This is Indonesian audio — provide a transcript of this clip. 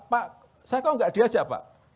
pak saya kok nggak diajak pak